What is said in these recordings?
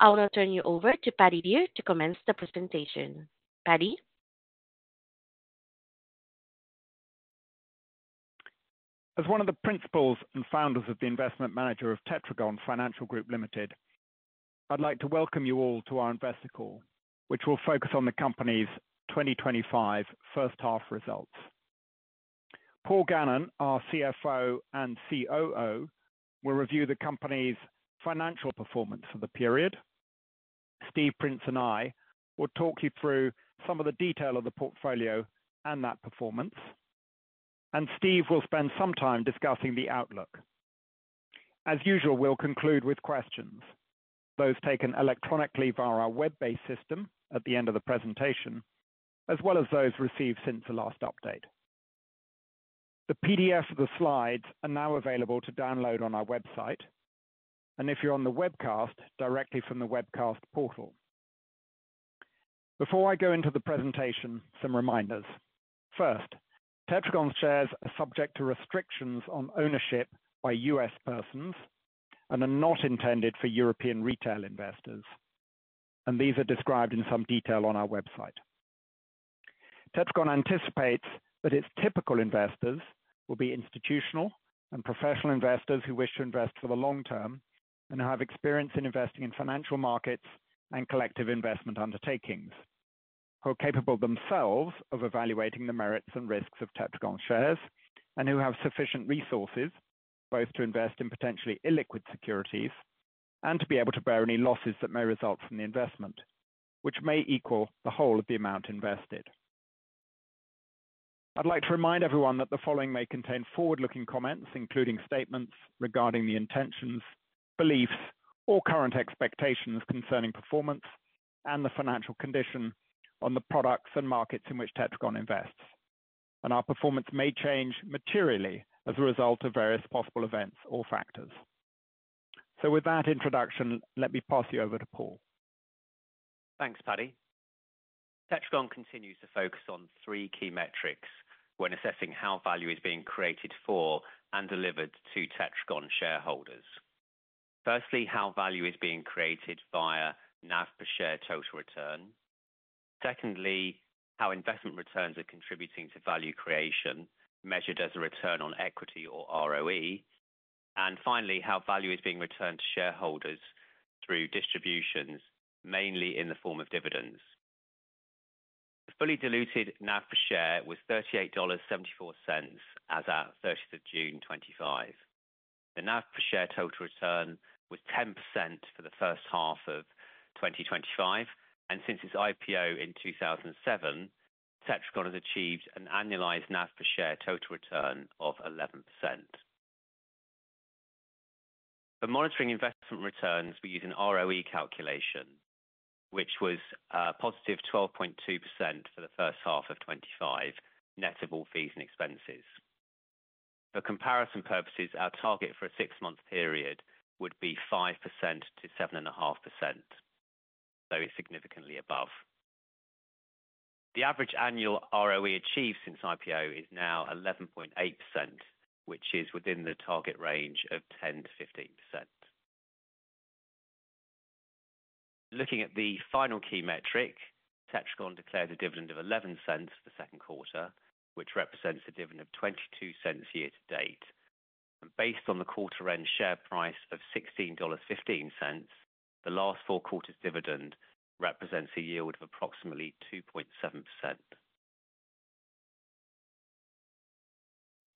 I will now turn you over to Patrick Dear to commence the presentation. Patrick Dear? As one of the Principals and Founders of the Investment manager of Tetragon Financial Group Limited, I'd like to welcome you all to our Investor call, which will focus on the Company's 2025 first half results. Paul Gannon, our CFO and COO, will review the company's financial performance for the period. Stephen Prince and I will talk you through some of the detail of the portfolio and that performance. Stephen Prince will spend some time discussing the outlook. As usual, we'll conclude with questions, those taken electronically via our web-based system at the end of the presentation, as well as those received since the last update. The PDF of the slides is now available to download on our website, and if you're on the webcast, directly from the webcast portal. Before I go into the presentation, some reminders. First, Tetragon shares are subject to restrictions on ownership by U.S. persons and are not intended for European retail investors. These are described in some detail on our website. Tetragon anticipates that its typical investors will be institutional and professional investors who wish to invest for the long term and who have experience in investing in financial markets and collective investment undertakings, who are capable themselves of evaluating the merits and risks of Tetragon shares and who have sufficient resources both to invest in potentially illiquid securities and to be able to bear any losses that may result from the investment, which may equal the whole of the amount invested. I'd like to remind everyone that the following may contain forward-looking comments, including statements regarding the intentions, beliefs, or current expectations concerning performance and the financial condition on the products and markets in which Tetragon invests. Our performance may change materially as a result of various possible events or factors. With that introduction, let me pass you over to Paul. Thanks, Patrick Dear. Tetragon continues to focus on three key metrics when assessing how value is being created for and delivered to Tetragon shareholders. Firstly, how value is being created via NAV per share total return. Secondly, how investment returns are contributing to value creation, measured as a return on equity or ROE. Finally, how value is being returned to shareholders through distributions, mainly in the form of dividends. The fully diluted NAV per share was $38.74 as of June 30, 2025. The NAV per share total return was 10% for the first half of 2025. Since its IPO in 2007, Tetragon has achieved an annualized NAV per share total return of 11%. For monitoring investment returns, we use an ROE calculation, which was positive 12.2% for the first half of 2025, net of all fees and expenses. For comparison purposes, our target for a six-month period would be 5% to 7.5%, very significantly above. The average annual ROE achieved since IPO is now 11.8%, which is within the target range of 10% to 15%. Looking at the final key metric, Tetragon declared a dividend of $0.11 for the second quarter, which represents a dividend of $0.22 year to date. Based on the quarter-end share price of $16.15, the last four quarters' dividend represents a yield of approximately 2.7%.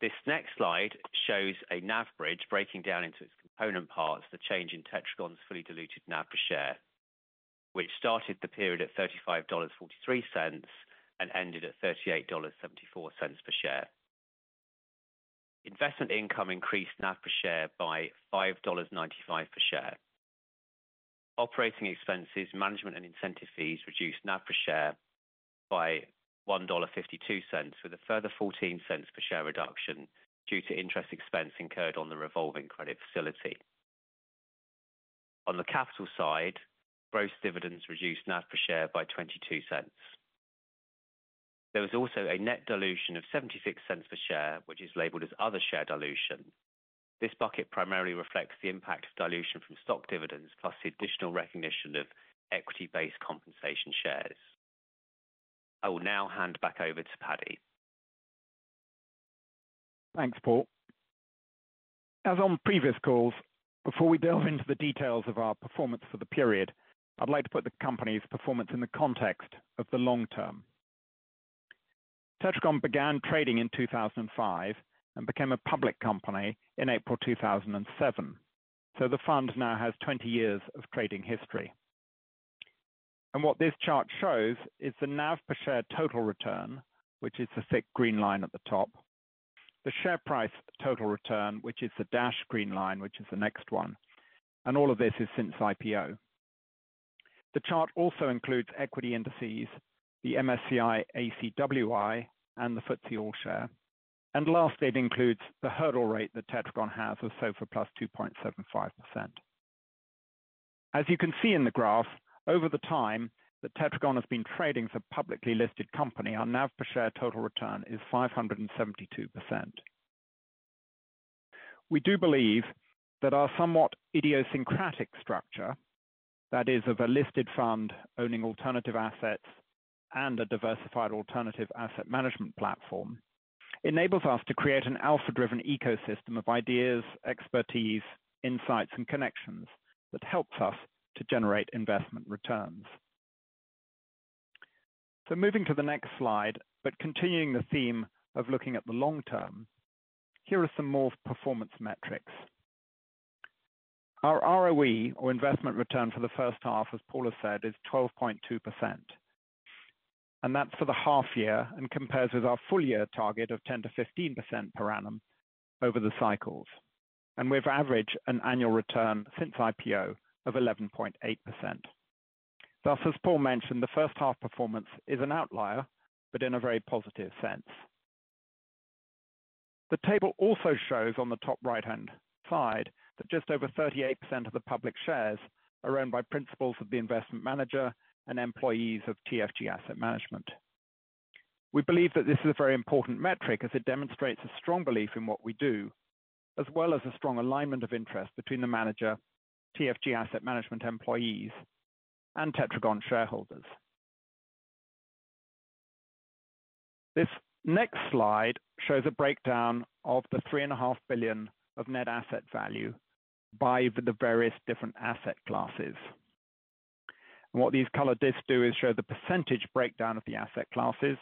This next slide shows a NAV bridge breaking down into its component parts the change in Tetragon's fully diluted NAV per share, which started the period at $35.43 and ended at $38.74 per share. Investment income increased NAV per share by $5.95 per share. Operating expenses, management, and incentive fees reduced NAV per share by $1.52, with a further $0.14 per share reduction due to interest expense incurred on the revolving credit facility. On the capital side, gross dividends reduced NAV per share by $0.22. There was also a net dilution of $0.76 per share, which is labeled as other share dilution. This bucket primarily reflects the impact of dilution from stock dividends plus the additional recognition of equity-based compensation shares. I will now hand back over to Patrick Dear. Thanks, Paul. As on previous calls, before we delve into the details of our performance for the period, I'd like to put the company's performance in the context of the long term. Tetragon began trading in 2005 and became a public company in April 2007. The fund now has 20 years of trading history. What this chart shows is the NAV per share total return, which is the thick green line at the top, the share price total return, which is the dash green line, which is the next one. All of this is since IPO. The chart also includes equity indices, the MSCI ACWI, and the FTSE All-Share. Lastly, it includes the hurdle rate that Tetragon has of SOFR plus 2.75%. As you can see in the graph, over the time that Tetragon has been trading as a publicly listed company, our NAV per share total return is 572%. We do believe that our somewhat idiosyncratic structure, that is, of a listed fund owning alternative assets and a diversified alternative asset management platform, enables us to create an alpha-driven ecosystem of ideas, expertise, insights, and connections that helps us to generate investment returns. Moving to the next slide, but continuing the theme of looking at the long term, here are some more performance metrics. Our ROE, or investment return for the first half, as Paul has said, is 12.2%. That's for the half year and compares with our full year target of 10% to 15% per annum over the cycles. We've averaged an annual return since IPO of 11.8%. Thus, as Paul mentioned, the first half performance is an outlier, but in a very positive sense. The table also shows on the top right-hand side that just over 38% of the public shares are owned by principals of the investment manager and employees of TFG Asset Management. We believe that this is a very important metric as it demonstrates a strong belief in what we do, as well as a strong alignment of interest between the manager, TFG Asset Management employees, and Tetragon shareholders. This next slide shows a breakdown of the $3.5 billion of net asset value by the various different asset classes. What these colored discs do is show the percentage breakdown of the asset classes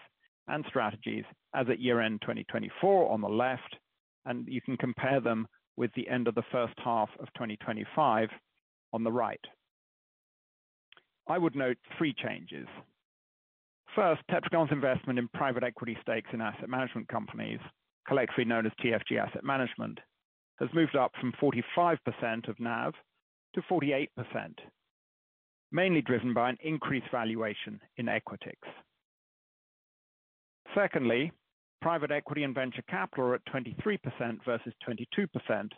and strategies as at year-end 2024 on the left, and you can compare them with the end of the first half of 2025 on the right. I would note three changes. First, Tetragon's investment in private equity stakes in asset management companies, collectively known as TFG Asset Management, has moved up from 45% of NAV to 48%, mainly driven by an increased valuation in Equitix. Secondly, private equity and venture capital are at 23% versus 22%,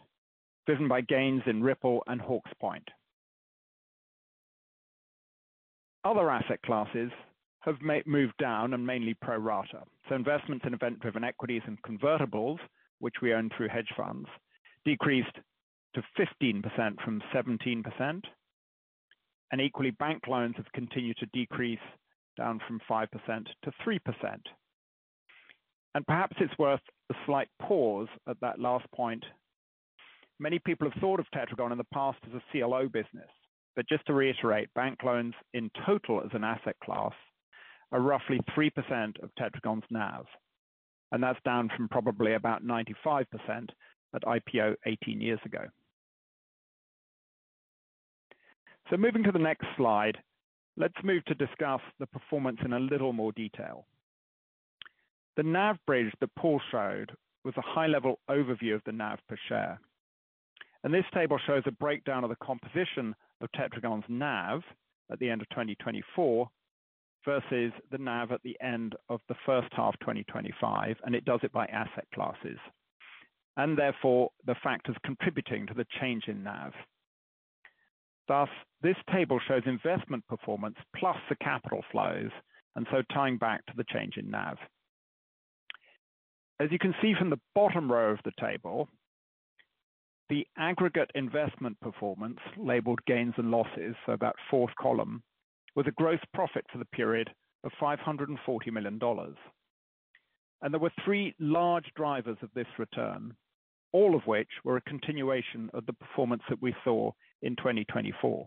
driven by gains in Ripple Labs and Hawke's Point. Other asset classes have moved down and mainly pro rata. Investments in event-driven equities and convertibles, which we own through hedge funds, decreased to 15% from 17%. Equally, bank loans have continued to decrease down from 5% to 3%. Perhaps it's worth a slight pause at that last point. Many people have thought of Tetragon in the past as a CLO business. Just to reiterate, bank loans in total as an asset class are roughly 3% of Tetragon's NAV. That's down from probably about 95% at IPO 18 years ago. Moving to the next slide, let's move to discuss the performance in a little more detail. The NAV bridge that Paul showed was a high-level overview of the NAV per share. This table shows a breakdown of the composition of Tetragon's NAV at the end of 2024 versus the NAV at the end of the first half of 2025. It does it by asset classes and therefore, the factors contributing to the change in NAV. Thus, this table shows investment performance plus the capital flows, tying back to the change in NAV. As you can see from the bottom row of the table, the aggregate investment performance labeled gains and losses, so that fourth column, was a gross profit for the period of $540 million. There were three large drivers of this return, all of which were a continuation of the performance that we saw in 2024.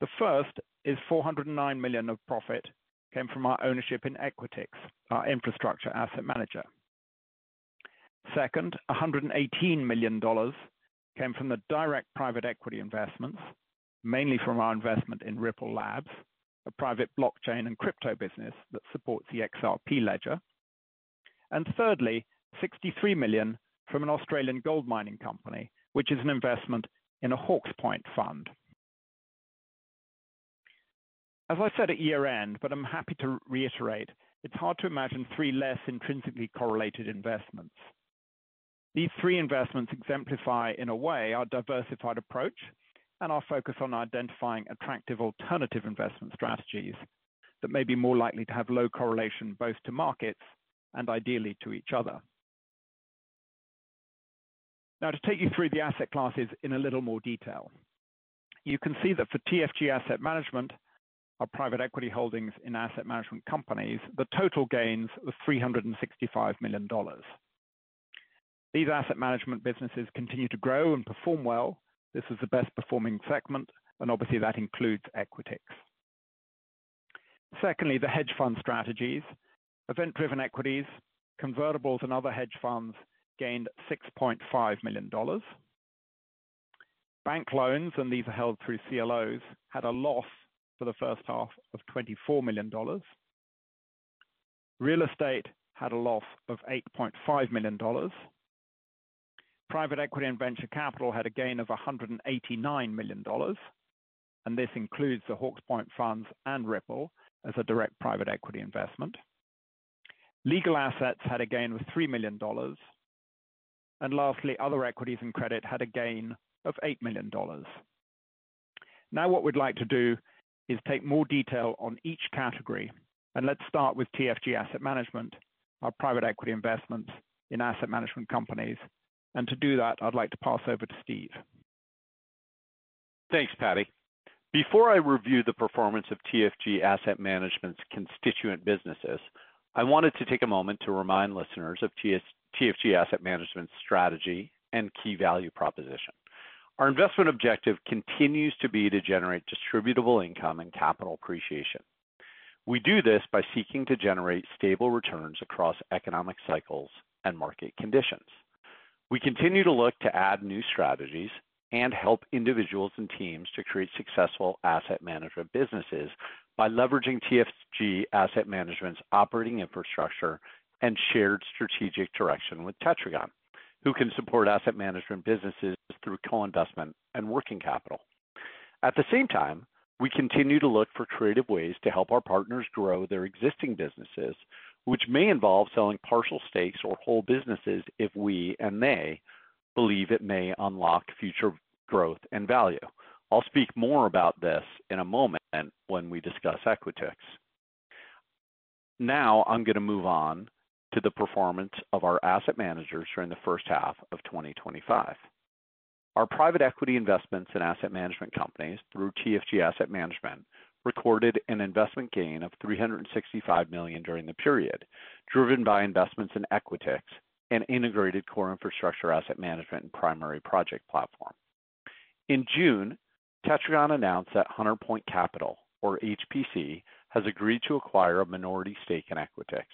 The first is $409 million of profit came from our ownership in Equitix, our infrastructure asset manager. Second, $118 million came from the direct private equity investments, mainly from our investment in Ripple Labs, a private blockchain and crypto business that supports the XRP Ledger. Thirdly, $63 million from an Australian gold mining company, which is an investment in a Hawke's Point fund. As I said at year-end, but I'm happy to reiterate, it's hard to imagine three less intrinsically correlated investments. These three investments exemplify, in a way, our diversified approach and our focus on identifying attractive alternative investment strategies that may be more likely to have low correlation both to markets and ideally to each other. Now, to take you through the asset classes in a little more detail, you can see that for TFG Asset Management, our private equity holdings in asset management companies, the total gains are $365 million. These asset management businesses continue to grow and perform well. This is the best-performing segment, and obviously, that includes Equitix. The hedge fund strategies, event-driven equities, convertibles, and other hedge funds gained $6.5 million. Bank loans, and these are held through CLOs, had a loss for the first half of $24 million. Real estate had a loss of $8.5 million. Private equity and venture capital had a gain of $189 million. This includes the Hawke's Point funds and Ripple Labs as a direct private equity investment. Legal assets had a gain of $3 million. Lastly, other equities and credit had a gain of $8 million. Now, what we'd like to do is take more detail on each category. Let's start with TFG Asset Management, our private equity investments in asset management companies. To do that, I'd like to pass over to Stephen Prince. Thanks, Patrick Dear. Before I review the performance of TFG Asset Management's constituent businesses, I wanted to take a moment to remind listeners of TFG Asset Management's strategy and key value proposition. Our investment objective continues to be to generate distributable income and capital appreciation. We do this by seeking to generate stable returns across economic cycles and market conditions. We continue to look to add new strategies and help individuals and teams to create successful asset management businesses by leveraging TFG Asset Management's operating infrastructure and shared strategic direction with Tetragon, who can support asset management businesses through co-investment and working capital. At the same time, we continue to look for creative ways to help our partners grow their existing businesses, which may involve selling partial stakes or whole businesses if we and they believe it may unlock future growth and value. I'll speak more about this in a moment when we discuss Equitix. Now, I'm going to move on to the performance of our asset managers during the first half of 2025. Our private equity investments in asset management companies through TFG Asset Management recorded an investment gain of $365 million during the period, driven by investments in Equitix and integrated core infrastructure asset management and primary project platform. In June, Tetragon announced that Hunter Point Capital, or HPC, has agreed to acquire a minority stake in Equitix.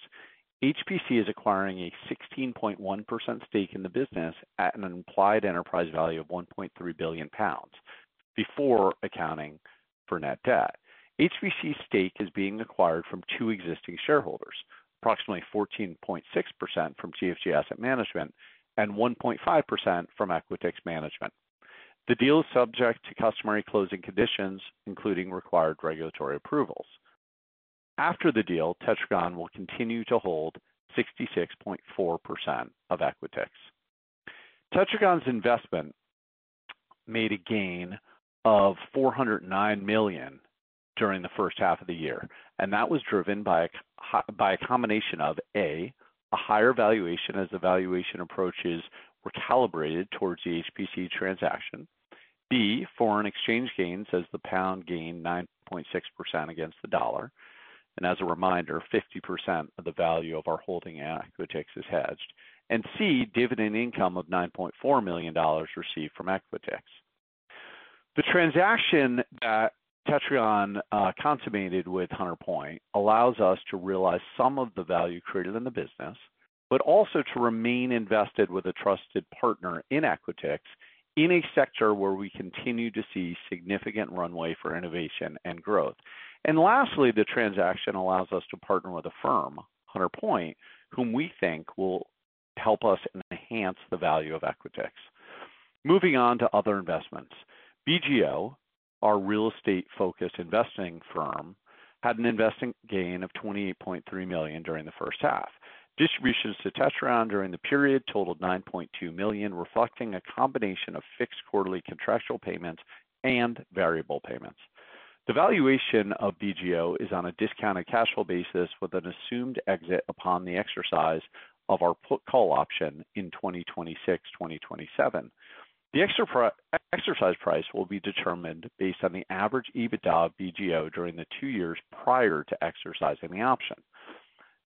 HPC is acquiring a 16.1% stake in the business at an implied enterprise value of £1.3 billion before accounting for net debt. HPC's stake is being acquired from two existing shareholders, approximately 14.6% from TFG Asset Management and 1.5% from Equitix Management. The deal is subject to customary closing conditions, including required regulatory approvals. After the deal, Tetragon will continue to hold 66.4% of Equitix. Tetragon's investment made a gain of $409 million during the first half of the year. That was driven by a combination of, A, a higher valuation as the valuation approaches were calibrated towards the HPC transaction; B, foreign exchange gains as the pound gained 9.6% against the dollar. As a reminder, 50% of the value of our holding in Equitix is hedged; and C, dividend income of $9.4 million received from Equitix. The transaction that Tetragon consummated with Hunter Point allows us to realize some of the value created in the business, but also to remain invested with a trusted partner in Equitix in a sector where we continue to see significant runway for innovation and growth. Lastly, the transaction allows us to partner with a firm, Hunter Point, whom we think will help us enhance the value of Equitix. Moving on to other investments. BentallGreenOak, our real estate-focused investing firm, had an investing gain of $28.3 million during the first half. Distributions to Tetragon during the period totaled $9.2 million, reflecting a combination of fixed quarterly contractual payments and variable payments. The valuation of BentallGreenOak is on a discounted cash flow basis with an assumed exit upon the exercise of our put call option in 2026-2027. The exercise price will be determined based on the average EBITDA of BentallGreenOak during the two years prior to exercising the option.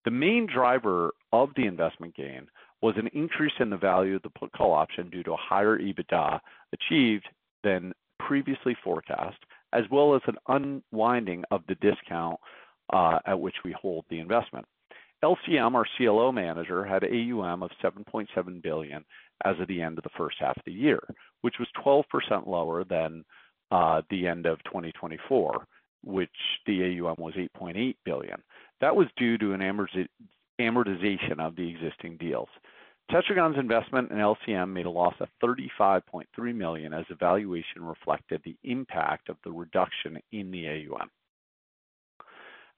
The main driver of the investment gain was an increase in the value of the put call option due to a higher EBITDA achieved than previously forecast, as well as an unwinding of the discount at which we hold the investment. LCM Advisors, our CLO manager, had AUM of $7.7 billion as of the end of the first half of the year, which was 12% lower than the end of 2024, when the AUM was $8.8 billion. That was due to an amortization of the existing deals. Tetragon's investment in LCM Advisors made a loss of $35.3 million as the valuation reflected the impact of the reduction in the AUM.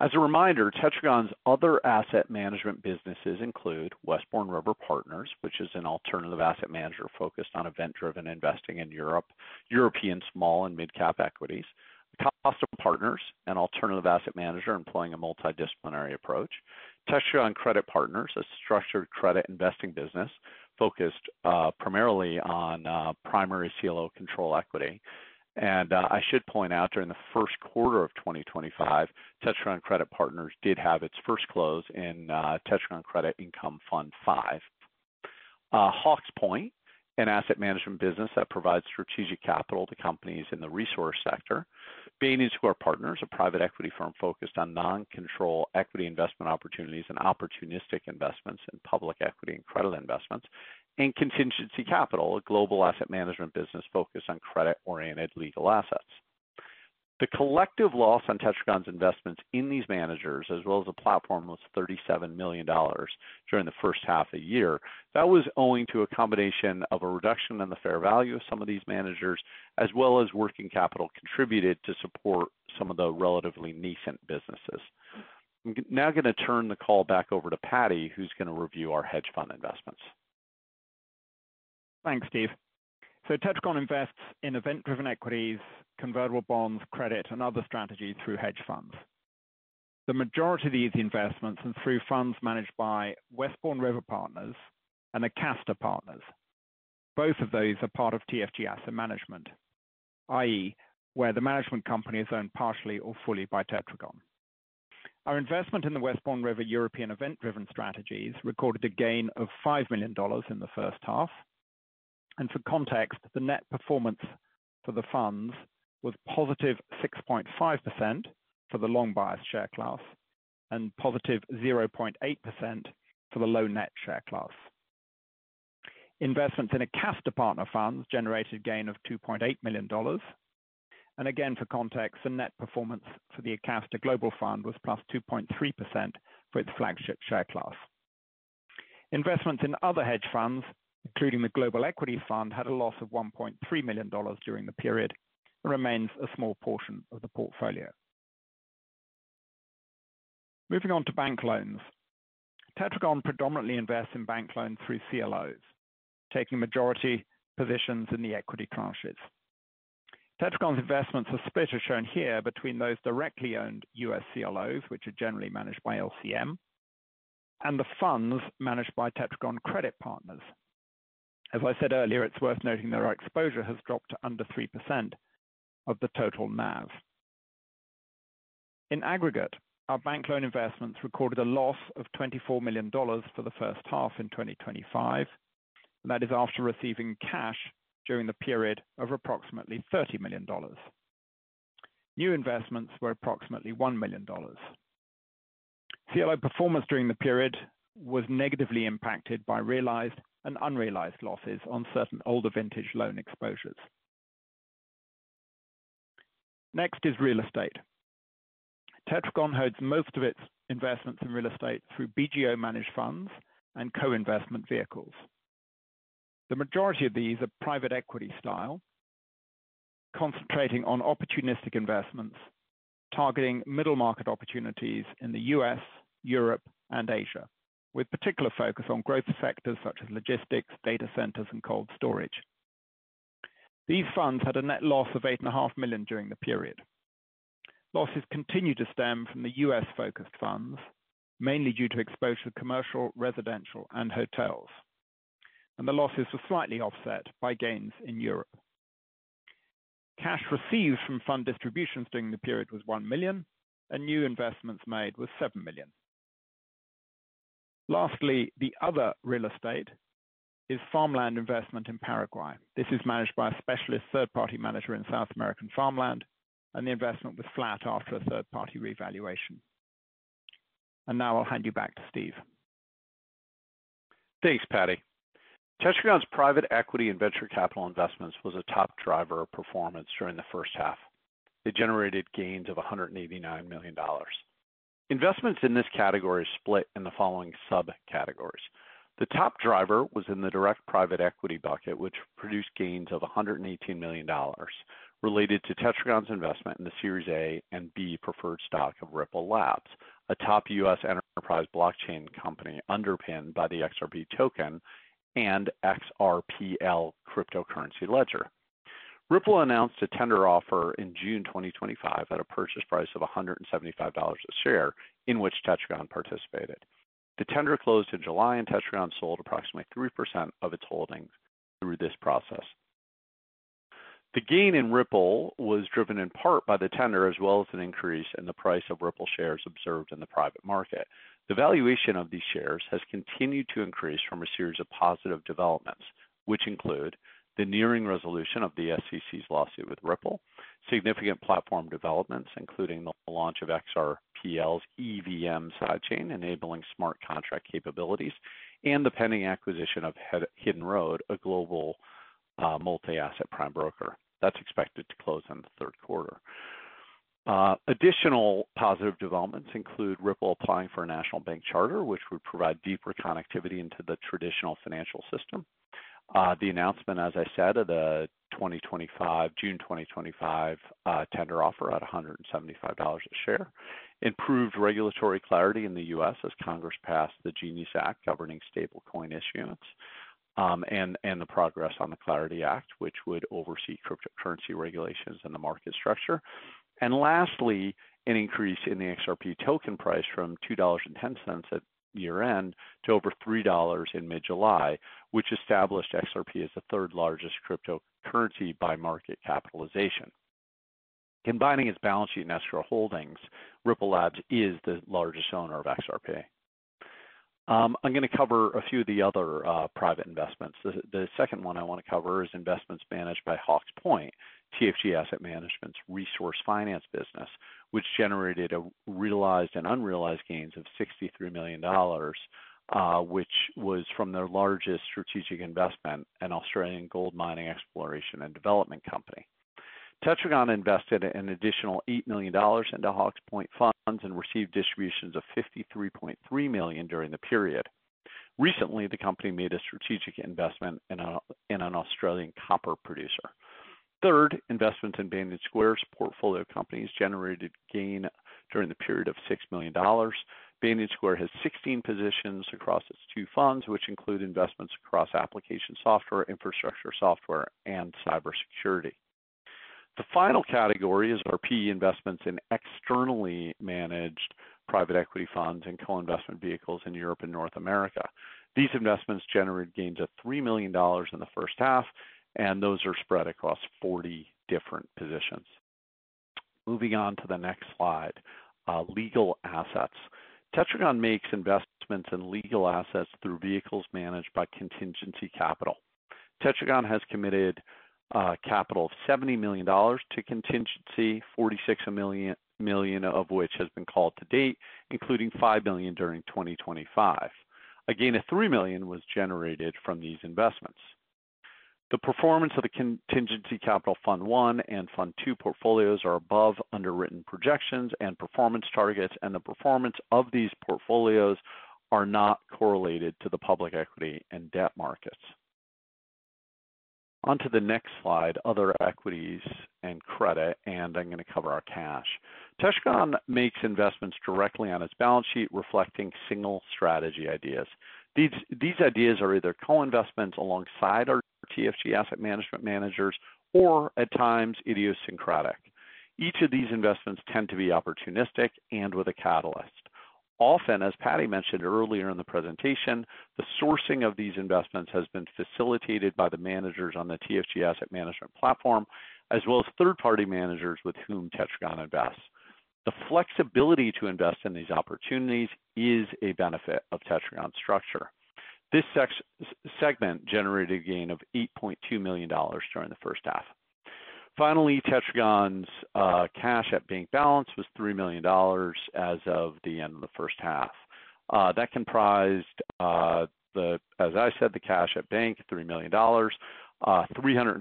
As a reminder, Tetragon's other asset management businesses include Westbourne River Partners, which is an alternative asset manager focused on event-driven investing in European small and mid-cap equities; Acasta Partners, an alternative asset manager employing a multidisciplinary approach; Tetragon Credit Partners, a structured credit investing business focused primarily on primary CLO control equity. I should point out during the first quarter of 2025, Tetragon Credit Partners did have its first close in Tetragon Credit Income Fund 5. Hawke's Point, an asset management business that provides strategic capital to companies in the resource sector; Bain & Square Partners, a private equity firm focused on non-control equity investment opportunities and opportunistic investments in public equity and credit investments; and Contingency Capital, a global asset management business focused on credit-oriented legal assets. The collective loss on Tetragon's investments in these managers, as well as a platform, was $37 million during the first half of the year. That was owing to a combination of a reduction in the fair value of some of these managers, as well as working capital contributed to support some of the relatively nascent businesses. I'm now going to turn the call back over to Patrick Dear, who's going to review our hedge fund investments. Thanks, Stephen Prince. Tetragon invests in event-driven equities, convertible bonds, credit, and other strategies through hedge funds. The majority of these investments are through funds managed by Westbourne River Partners and Acasta Partners. Both of those are part of TFG Asset Management, where the management company is owned partially or fully by Tetragon. Our investment in the Westbourne River European event-driven strategies recorded a gain of $5 million in the first half. For context, the net performance for the funds was positive 6.5% for the long-biased share class and positive 0.8% for the low-net share class. Investments in Acasta Partners funds generated a gain of $2.8 million. For context, the net performance for the Acasta Global Fund was plus 2.3% for its flagship share class. Investments in other hedge funds, including the Global Equity Fund, had a loss of $1.3 million during the period and remain a small portion of the portfolio. Moving on to bank loans, Tetragon predominantly invests in bank loans through CLOs, taking majority positions in the equity classes. Tetragon's investments are split, as shown here, between those directly owned U.S. CLOs, which are generally managed by LCM Advisors, and the funds managed by Tetragon Credit Partners. As I said earlier, it's worth noting that our exposure has dropped to under 3% of the total NAV. In aggregate, our bank loan investments recorded a loss of $24 million for the first half in 2025. That is after receiving cash during the period of approximately $30 million. New investments were approximately $1 million. CLO performance during the period was negatively impacted by realized and unrealized losses on certain older vintage loan exposures. Next is real estate. Tetragon holds most of its investments in real estate through BentallGreenOak-managed funds and co-investment vehicles. The majority of these are private equity style, concentrating on opportunistic investments targeting middle-market opportunities in the U.S., Europe, and Asia, with particular focus on growth sectors such as logistics, data centers, and cold storage. These funds had a net loss of $8.5 million during the period. Losses continue to stem from the U.S.-focused funds, mainly due to exposure to commercial, residential, and hotels. The losses were slightly offset by gains in Europe. Cash received from fund distributions during the period was $1 million, and new investments made were $7 million. Lastly, the other real estate is farmland investment in Paraguay. This is managed by a specialist third-party manager in South American farmland, and the investment was flat after a third-party revaluation. Now I'll hand you back to Stephen Prince. Thanks, Patrick Dear. Tetragon's private equity and venture capital investments were the top driver of performance during the first half. They generated gains of $189 million. Investments in this category are split in the following subcategories. The top driver was in the direct private equity bucket, which produced gains of $118 million related to Tetragon's investment in the Series A and B preferred stock of Ripple Labs, a top U.S. enterprise blockchain company underpinned by the XRP token and XRPL cryptocurrency ledger. Ripple announced a tender offer in June 2025 at a purchase price of $175 a share, in which Tetragon participated. The tender closed in July, and Tetragon sold approximately 3% of its holdings through this process. The gain in Ripple was driven in part by the tender, as well as an increase in the price of Ripple shares observed in the private market. The valuation of these shares has continued to increase from a series of positive developments, which include the nearing resolution of the SEC's lawsuit with Ripple, significant platform developments, including the launch of XRPL's EVM sidechain, enabling smart contract capabilities, and the pending acquisition of Hidden Road, a global multi-asset prime broker that's expected to close in the third quarter. Additional positive developments include Ripple applying for a national bank charter, which would provide deeper connectivity into the traditional financial system. The announcement, as I said, of the June 2025 tender offer at $175 a share improved regulatory clarity in the U.S. as Congress passed the GENIUS Act governing stablecoin issuance and the progress on the Clarity Act, which would oversee cryptocurrency regulations and the market structure. Lastly, an increase in the XRP token price from $2.10 at year-end to over $3 in mid-July, which established XRP as the third largest cryptocurrency by market capitalization. Combining its balance sheet and escrow holdings, Ripple Labs is the largest owner of XRP. I'm going to cover a few of the other private investments. The second one I want to cover is investments managed by Hawke's Point, TFG Asset Management's resource finance business, which generated realized and unrealized gains of $63 million, which was from their largest strategic investment, an Australian gold mining exploration and development company. Tetragon invested an additional $8 million into Hawke's Point funds and received distributions of $53.3 million during the period. Recently, the company made a strategic investment in an Australian copper producer. Third, investments in Bain & Square Partners portfolio companies generated a gain during the period of $6 million. Bain & Square Partners has 16 positions across its two funds, which include investments across application software, infrastructure software, and cybersecurity. The final category is our PE investments in externally managed private equity funds and co-investment vehicles in Europe and North America. These investments generated gains of $3 million in the first half, and those are spread across 40 different positions. Moving on to the next slide, legal assets. Tetragon makes investments in legal assets through vehicles managed by Contingency Capital. Tetragon has committed capital of $70 million to Contingency, $46 million of which has been called to date, including $5 million during 2025. A gain of $3 million was generated from these investments. The performance of the Contingency Capital Fund 1 and Fund 2 portfolios are above underwritten projections and performance targets, and the performance of these portfolios is not correlated to the public equity and debt markets. Onto the next slide, other equities and credit, and I'm going to cover our cash. Tetragon makes investments directly on its balance sheet, reflecting single strategy ideas. These ideas are either co-investments alongside our TFG Asset Management managers or, at times, idiosyncratic. Each of these investments tends to be opportunistic and with a catalyst. Often, as Patrick Dear mentioned earlier in the presentation, the sourcing of these investments has been facilitated by the managers on the TFG Asset Management platform, as well as third-party managers with whom Tetragon invests. The flexibility to invest in these opportunities is a benefit of Tetragon's structure. This segment generated a gain of $8.2 million during the first half. Finally, Tetragon's cash at bank balance was $3 million as of the end of the first half. That comprised, as I said, the cash at bank, $3 million, $350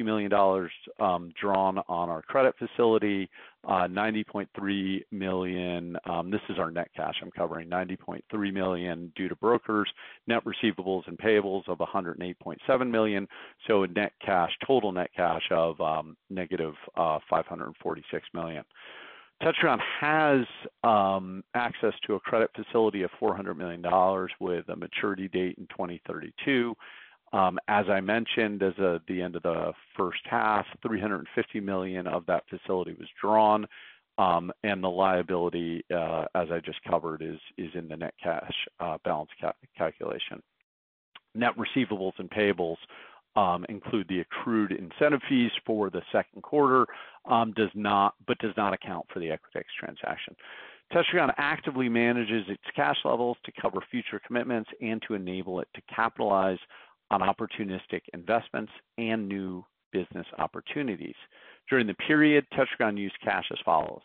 million drawn on our credit facility, $90.3 million. This is our net cash I'm covering, $90.3 million due to brokers, net receivables and payables of $108.7 million. A net cash, total net cash of negative $546 million. Tetragon has access to a credit facility of $400 million with a maturity date in 2032. As I mentioned, at the end of the first half, $350 million of that facility was drawn. The liability, as I just covered, is in the net cash balance calculation. Net receivables and payables include the accrued incentive fees for the second quarter, but do not account for the Equitix transaction. Tetragon actively manages its cash levels to cover future commitments and to enable it to capitalize on opportunistic investments and new business opportunities. During the period, Tetragon used cash as follows: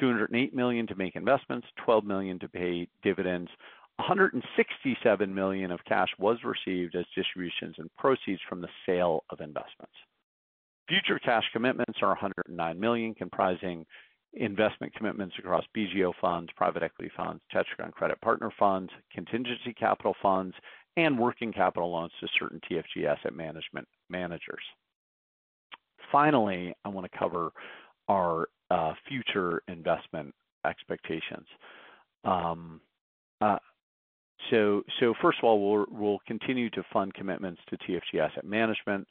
$208 million to make investments, $12 million to pay dividends, and $167 million of cash was received as distributions and proceeds from the sale of investments. Future cash commitments are $109 million, comprising investment commitments across BentallGreenOak funds, private equity funds, Tetragon Credit Partners funds, Contingency Capital funds, and working capital loans to certain TFG Asset Management managers. Finally, I want to cover our future investment expectations. First of all, we'll continue to fund commitments to TFG Asset Management.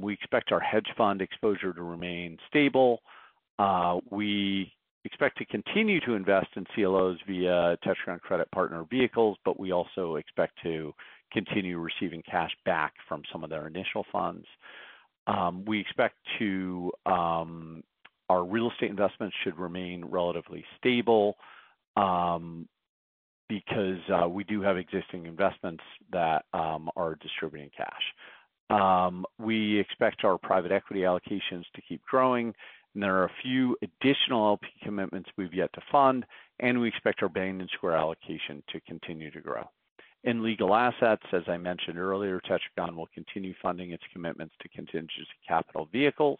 We expect our hedge fund exposure to remain stable. We expect to continue to invest in CLOs via Tetragon Credit Partners vehicles, but we also expect to continue receiving cash back from some of their initial funds. We expect our real estate investments should remain relatively stable because we do have existing investments that are distributing cash. We expect our private equity allocations to keep growing, and there are a few additional LP commitments we've yet to fund. We expect our Bain & Square Partners allocation to continue to grow. In legal assets, as I mentioned earlier, Tetragon will continue funding its commitments to Contingency Capital vehicles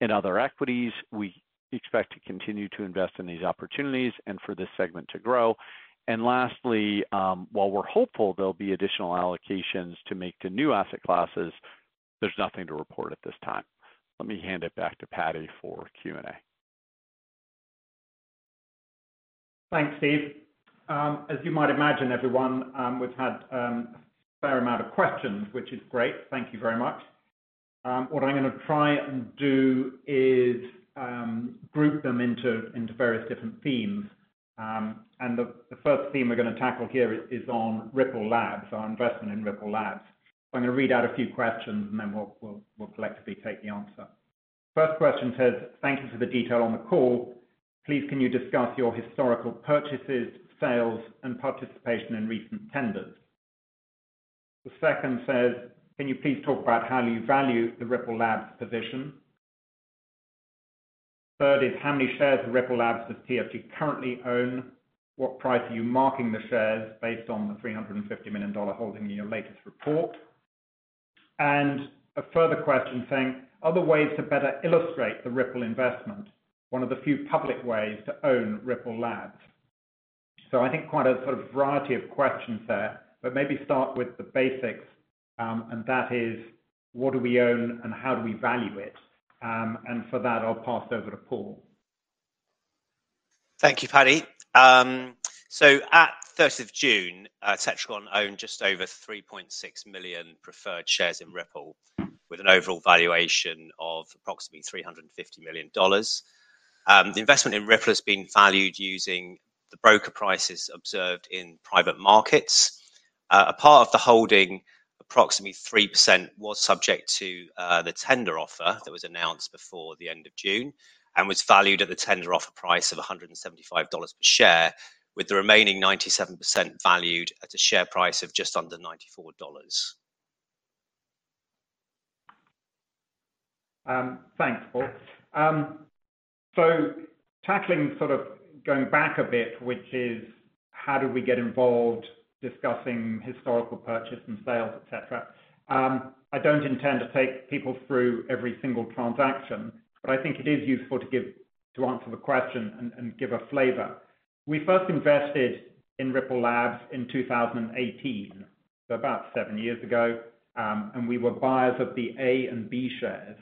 and other equities. We expect to continue to invest in these opportunities and for this segment to grow. Lastly, while we're hopeful there'll be additional allocations to make to new asset classes, there's nothing to report at this time. Let me hand it back to Patrick Dear for Q&A. Thanks, Stephen Prince. As you might imagine, everyone, we've had a fair amount of questions, which is great. Thank you very much. What I'm going to try and do is group them into various different themes. The first theme we're going to tackle here is on Ripple Labs, our investment in Ripple Labs. I'm going to read out a few questions, and then we'll collectively take the answer. First question says, "Thank you for the detail on the call. Please, can you discuss your historical purchases, sales, and participation in recent tenders?" The second says, "Can you please talk about how you value the Ripple Labs position?" Third is, "How many shares of Ripple Labs does TFG currently own? What price are you marking the shares based on the $350 million holding in your latest report?" A further question saying, "Other ways to better illustrate the Ripple investment, one of the few public ways to own Ripple Labs?" I think quite a sort of variety of questions there. Maybe start with the basics, and that is, "What do we own and how do we value it?" For that, I'll pass over to Paul. Thank you, Patrick Dear. At June 1, Tetragon owned just over 3.6 million preferred shares in Ripple Labs with an overall valuation of approximately $350 million. The investment in Ripple Labs has been valued using the broker prices observed in private markets. A part of the holding, approximately 3%, was subject to the tender offer that was announced before the end of June and was valued at the tender offer price of $175 per share, with the remaining 97% valued at a share price of just under $94. Thanks, Paul. Tackling sort of going back a bit, which is, "How do we get involved discussing historical purchase and sales, et cetera?" I don't intend to take people through every single transaction, but I think it is useful to answer the question and give a flavor. We first invested in Ripple Labs in 2018, so about seven years ago, and we were buyers of the A and B shares.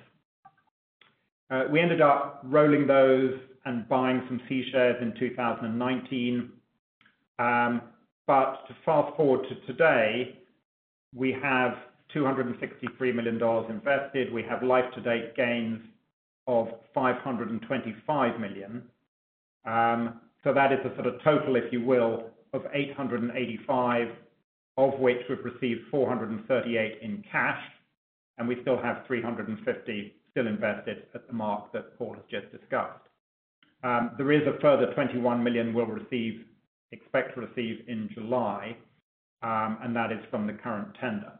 We ended up rolling those and buying some C shares in 2019. To fast forward to today, we have $263 million invested. We have life-to-date gains of $525 million. That is a sort of total, if you will, of $885 million, of which we've received $438 million in cash. We still have $350 million still invested at the mark that Paul has just discussed. There is a further $21 million we'll expect to receive in July, and that is from the current tender.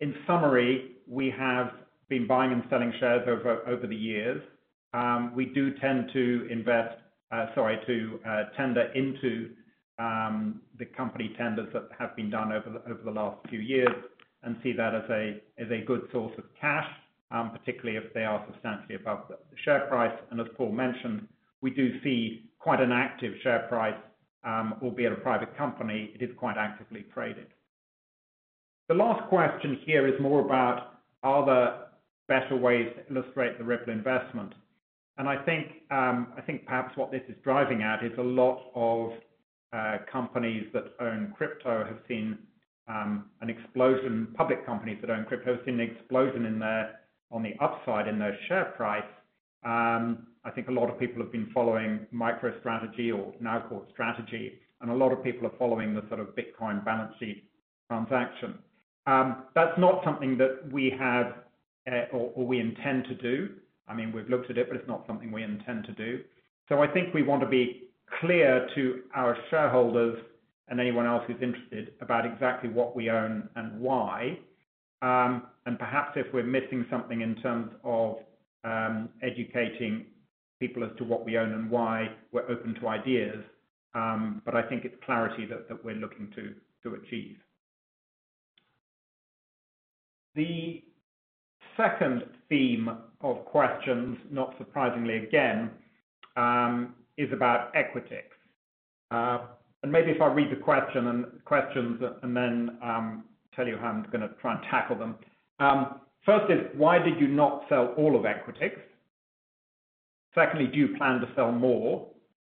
In summary, we have been buying and selling shares over the years. We do tend to tender into the company tenders that have been done over the last few years and see that as a good source of cash, particularly if they are substantially above the share price. As Paul mentioned, we do see quite an active share price, albeit a private company. It is quite actively traded. The last question here is more about other better ways to illustrate the Ripple Labs investment. I think perhaps what this is driving at is a lot of companies that own crypto have seen an explosion, public companies that own crypto have seen an explosion on the upside in their share price. I think a lot of people have been following MicroStrategy or MicroStrategy, and a lot of people are following the sort of Bitcoin balance sheet transaction. That's not something that we have or we intend to do. I mean, we've looked at it, but it's not something we intend to do. I think we want to be clear to our shareholders and anyone else who's interested about exactly what we own and why. Perhaps if we're missing something in terms of educating people as to what we own and why, we're open to ideas. I think it's clarity that we're looking to achieve. The second theme of questions, not surprisingly again, is about Equitix. Maybe if I read the questions and then tell you how I'm going to try and tackle them. First is, "Why did you not sell all of Equitix?" Secondly, "Do you plan to sell more?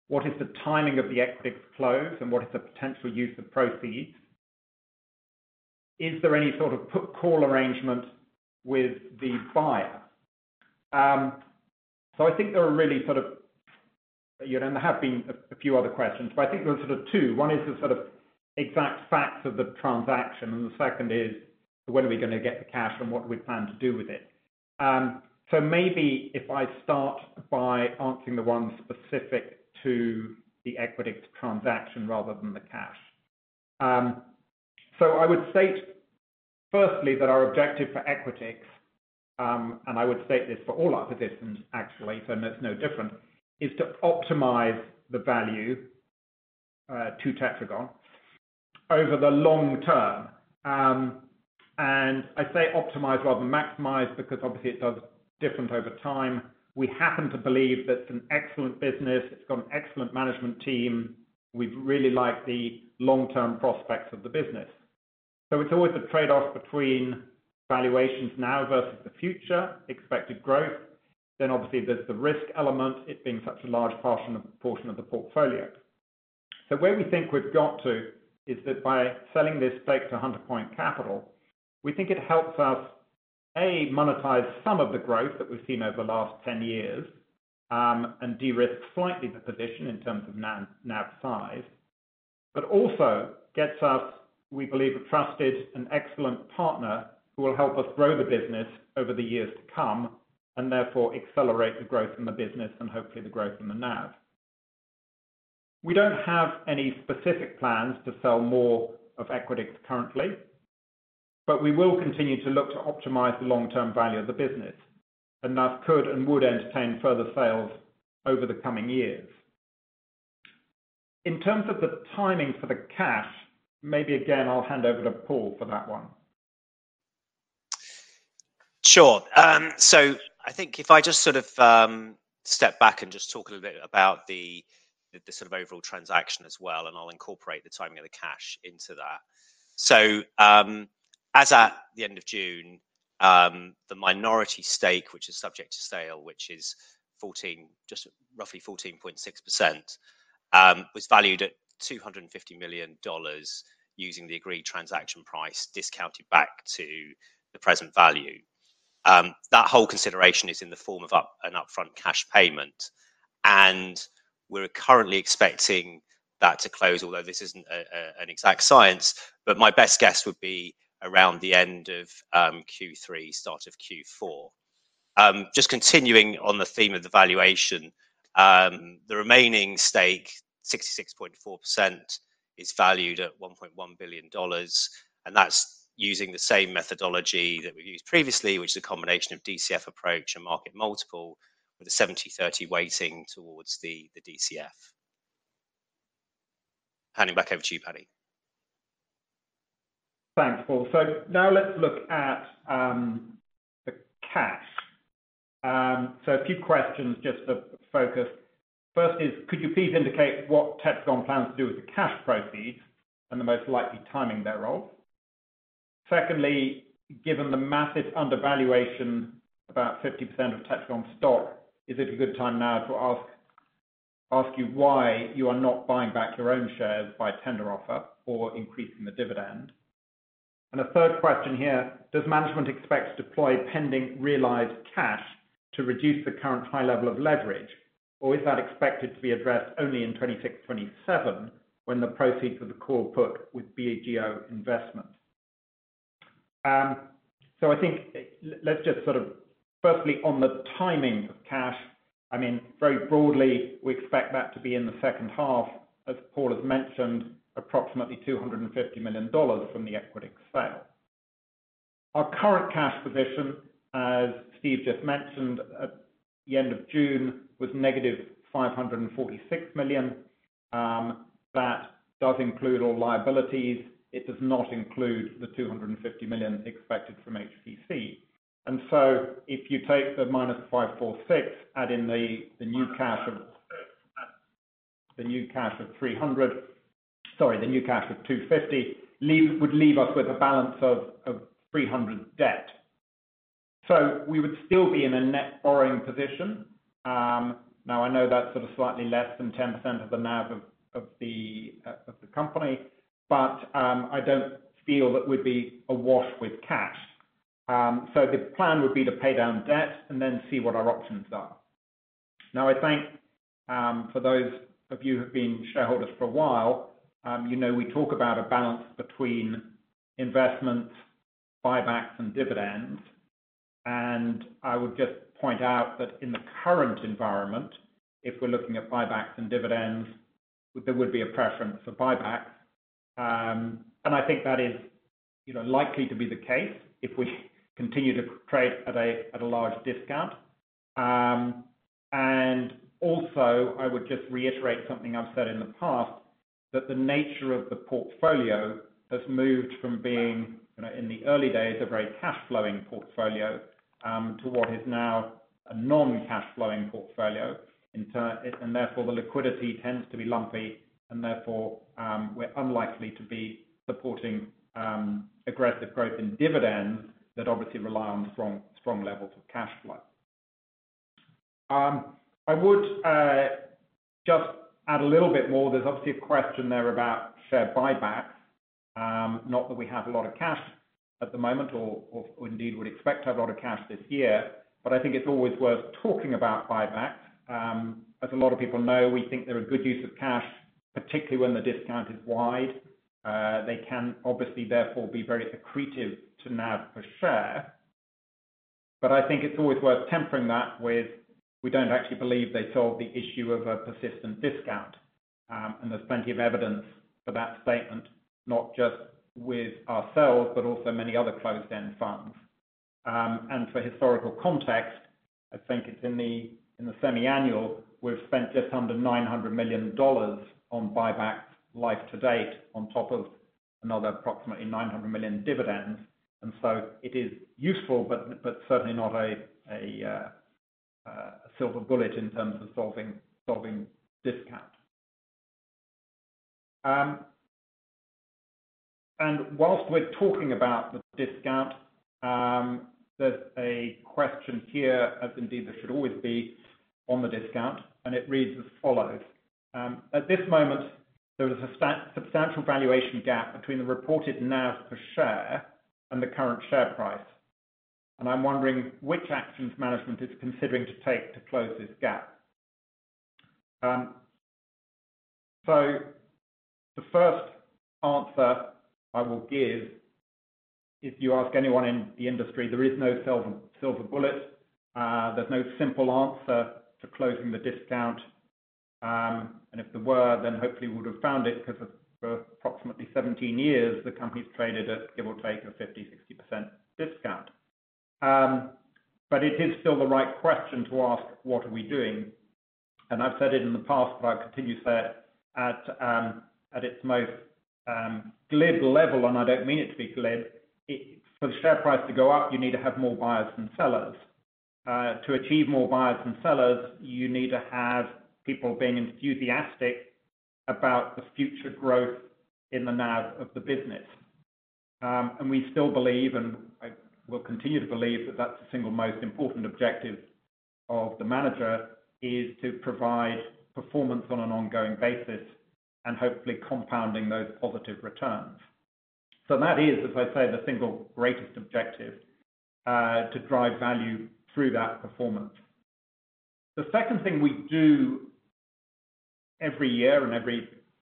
What is the timing of the Equitix close and what is the potential use of proceeds?" Is there any sort of put call arrangement with the buyer? I think there are really, you know, and there have been a few other questions. I think there are two. One is the exact facts of the transaction. The second is, when are we going to get the cash and what do we plan to do with it? Maybe if I start by answering the one specific to the Equitix transaction rather than the cash. I would state firstly that our objective for Equitix, and I would state this for all Equitix actually, so it's no different, is to optimize the value to Tetragon over the long term. I say optimize rather than maximize because obviously it does differ over time. We happen to believe that it's an excellent business. It's got an excellent management team. We've really liked the long-term prospects of the business. It's always a trade-off between valuations now versus the future, expected growth. Obviously there's the risk element, it being such a large portion of the portfolio. Where we think we've got to is that by selling this stake to Hunter Point Capital, we think it helps us, A, monetize some of the growth that we've seen over the last 10 years, and de-risk slightly the position in terms of NAV size. It also gets us, we believe, a trusted and excellent partner who will help us grow the business over the years to come and therefore accelerate the growth in the business and hopefully the growth in the NAV. We don't have any specific plans to sell more of Equitix currently, but we will continue to look to optimize the long-term value of the business and thus could and would entertain further sales over the coming years. In terms of the timing for the cash, maybe again I'll hand over to Paul for that one. Sure. I think if I just sort of step back and just talk a little bit about the sort of overall transaction as well, I'll incorporate the timing of the cash into that. As at the end of June, the minority stake, which is subject to sale, which is just roughly 14.6%, was valued at $250 million using the agreed transaction price discounted back to the present value. That whole consideration is in the form of an upfront cash payment. We're currently expecting that to close, although this isn't an exact science, but my best guess would be around the end of Q3, start of Q4. Continuing on the theme of the valuation, the remaining stake, 66.4%, is valued at $1.1 billion. That's using the same methodology that we've used previously, which is a combination of DCF approach and market multiple, with a 70/30 weighting towards the DCF. Handing back over to you, Patrick Dear. Thanks, Paul. Now let's look at the cash. A few questions just for focus. First is, could you please indicate what Tetragon plans to do with the cash proceeds and the most likely timing thereof? Secondly, given the massive undervaluation, about 50% of Tetragon stock, is it a good time now to ask you why you are not buying back your own shares by tender offer or increasing the dividend? A third question here, does management expect to deploy pending realized cash to reduce the current high level of leverage, or is that expected to be addressed only in 2026-2027 when the proceeds of the call put with BentallGreenOak investment? Firstly on the timing of cash, very broadly, we expect that to be in the second half, as Paul has mentioned, approximately $250 million from the Equitix sale. Our current cash position, as Stephen Prince just mentioned, at the end of June was negative $546 million. That does include all liabilities. It does not include the $250 million expected from Hunter Point Capital. If you take the minus $546 million, add in the new cash of $250 million, would leave us with a balance of $300 million debt. We would still be in a net borrowing position. I know that's slightly less than 10% of the NAV of the company, but I don't feel that we'd be awash with cash. The plan would be to pay down debt and then see what our options are. For those of you who have been shareholders for a while, you know we talk about a balance between investments, buybacks, and dividends. I would just point out that in the current environment, if we're looking at buybacks and dividends, there would be a preference for buybacks. I think that is likely to be the case if we continue to trade at a large discount. I would just reiterate something I've said in the past, that the nature of the portfolio has moved from being, in the early days, a very cash-flowing portfolio to what is now a non-cash-flowing portfolio. Therefore, the liquidity tends to be lumpy. We're unlikely to be supporting aggressive growth in dividends that obviously rely on strong levels of cash flow. I would just add a little bit more. There's obviously a question there about share buybacks. Not that we have a lot of cash at the moment or indeed would expect to have a lot of cash this year, but I think it's always worth talking about buybacks. As a lot of people know, we think they're a good use of cash, particularly when the discount is wide. They can obviously therefore be very accretive to NAV per share. I think it's always worth tempering that with, "We don't actually believe they solve the issue of a persistent discount." There's plenty of evidence for that statement, not just with ourselves, but also many other closed-end funds. For historical context, I think it's in the semi-annual, we've spent just under $900 million on buybacks life to date, on top of another approximately $900 million dividend. It is useful, but certainly not a silver bullet in terms of solving discount. Whilst we're talking about the discount, there's a question here, as indeed there should always be, on the discount. It reads as follows: "At this moment, there is a substantial valuation gap between the reported NAV per share and the current share price. I'm wondering which actions management is considering to take to close this gap." The first answer I will give, if you ask anyone in the industry, there is no silver bullet. There's no simple answer to closing the discount. If there were, then hopefully we would have found it because for approximately 17 years, the company's traded at, give or take, a 50%, 60% discount. It is still the right question to ask, "What are we doing?" I've said it in the past, but I continue to say it at its most glib level. I don't mean it to be glib. For the share price to go up, you need to have more buyers than sellers. To achieve more buyers than sellers, you need to have people being enthusiastic about the future growth in the NAV of the business. We still believe, and we'll continue to believe, that that's the single most important objective of the manager, to provide performance on an ongoing basis and hopefully compounding those positive returns. That is, as I say, the single greatest objective, to drive value through that performance. The second thing we do every year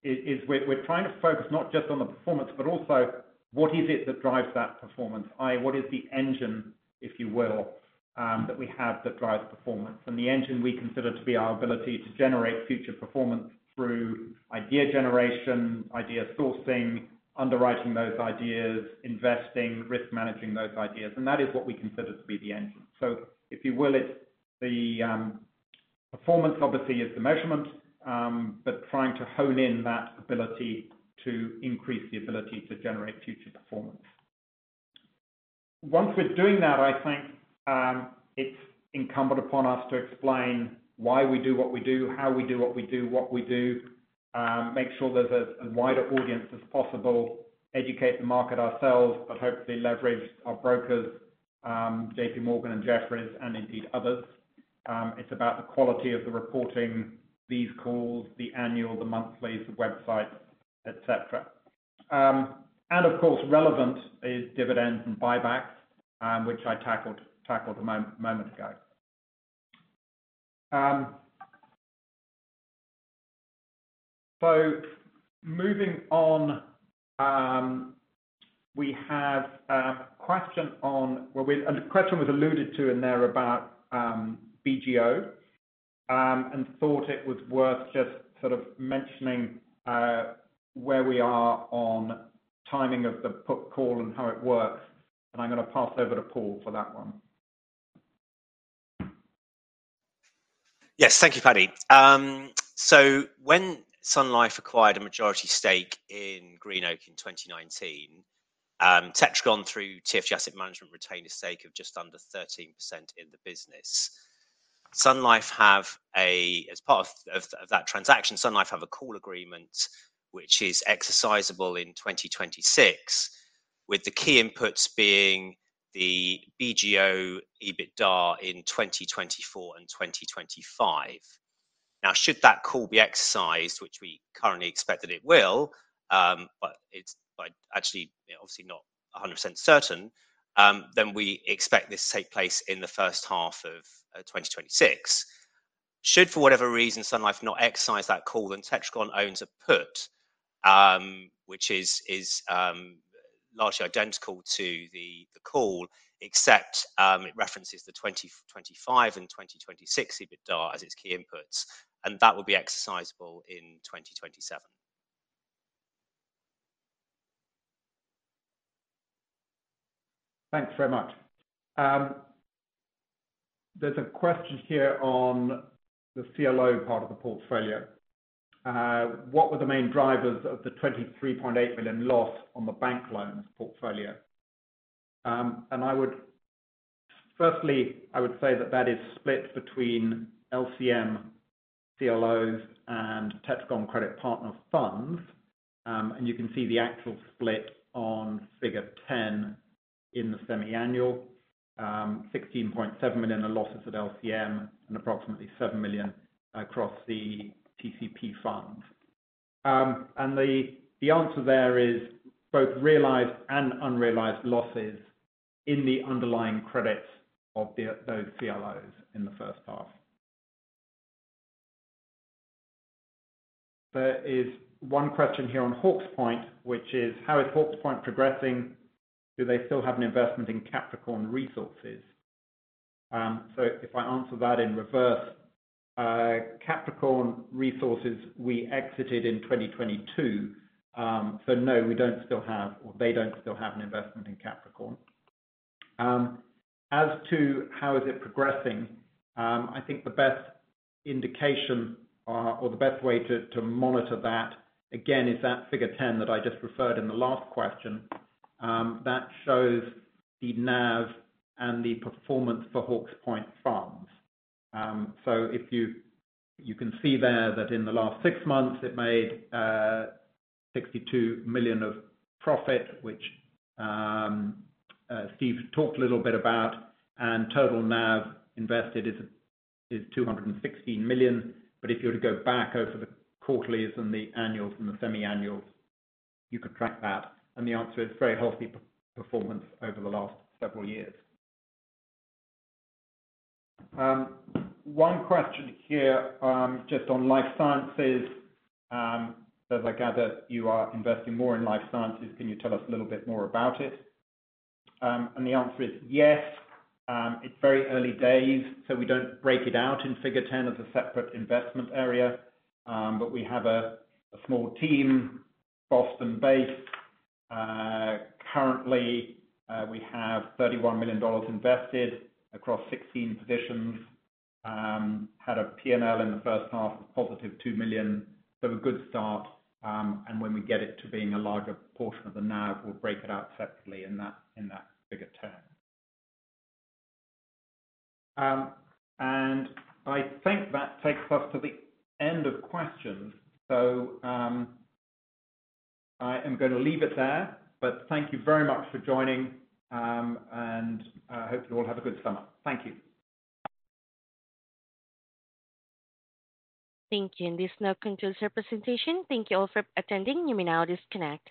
is we're trying to focus not just on the performance, but also what is it that drives that performance, i.e., what is the engine, if you will, that we have that drives the performance. The engine we consider to be our ability to generate future performance through idea generation, idea sourcing, underwriting those ideas, investing, risk managing those ideas. That is what we consider to be the engine. If you will, it's the performance, obviously, is the measurement, but trying to hone in that ability to increase the ability to generate future performance. Once we're doing that, I think it's incumbent upon us to explain why we do what we do, how we do what we do, what we do, make sure there's a wider audience as possible, educate the market ourselves, but hopefully leverage our brokers, JPMorgan and Jefferies, and indeed others. It's about the quality of the reporting, these calls, the annual, the monthlies, the websites, et cetera. Of course, relevant is dividends and buybacks, which I tackled a moment ago. Moving on, we have a question on, a question was alluded to in there about BentallGreenOak and thought it was worth just sort of mentioning where we are on timing of the put call and how it works. I'm going to pass over to Paul for that one. Yes, thank you, Patrick Dear. When Sun Life acquired a majority stake in GreenOak in 2019, Tetragon, through TFG Asset Management, retained a stake of just under 13% in the business. Sun Life, as part of that transaction, has a call agreement, which is exercisable in 2026, with the key inputs being the BentallGreenOak EBITDA in 2024 and 2025. If that call is exercised, which we currently expect that it will, though it's obviously not 100% certain, we expect this to take place in the first half of 2026. If, for whatever reason, Sun Life does not exercise that call, Tetragon owns a put, which is largely identical to the call except it references the 2025 and 2026 EBITDA as its key inputs, and that would be exercisable in 2027. Thanks very much. There's a question here on the CLO part of the portfolio. What were the main drivers of the $23.8 million loss on the bank loans portfolio? Firstly, I would say that is split between LCM Advisors, CLOs, and Tetragon Credit Partners funds. You can see the actual split on figure 10 in the semi-annual, $16.7 million in losses at LCM and approximately $7 million across the TCP funds. The answer there is both realized and unrealized losses in the underlying credits of those CLOs in the first half. There is one question here on Hawke's Point, which is, "How is Hawke's Point progressing? Do they still have an investment in Capricorn Resources?" If I answer that in reverse, Capricorn Resources, we exited in 2022. No, we don't still have, or they don't still have, an investment in Capricorn. As to how it is progressing, I think the best indication or the best way to monitor that, again, is that figure 10 that I just referred to in the last question. That shows the NAV and the performance for Hawke's Point funds. You can see there that in the last six months, it made $62 million of profit, which Stephen Prince talked a little bit about, and total NAV invested is $216 million. If you were to go back over the quarterlies and the annuals and the semi-annuals, you could track that. The answer is very healthy performance over the last several years. One question here just on life sciences. As I gather, you are investing more in life sciences. Can you tell us a little bit more about it? The answer is yes. It's very early days, so we don't break it out in figure 10 as a separate investment area. We have a small team, Boston-based. Currently, we have $31 million invested across 16 positions. Had a P&L in the first half of positive $2 million. A good start. When we get it to being a larger portion of the NAV, we'll break it out separately in that figure 10. I think that takes us to the end of questions. I am going to leave it there. Thank you very much for joining. I hope you all have a good summer. Thank you. Thank you. This now concludes our presentation. Thank you all for attending. You may now disconnect.